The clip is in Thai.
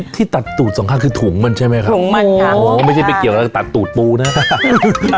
ที่ตัดตูดสองข้างคือถุงมันใช่ไหมครับถุงมันค่ะโอ้ไม่ใช่ไปเกี่ยวอะไรกับตัดตูดปูนะครับ